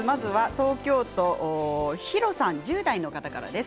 東京都１０代の方からです。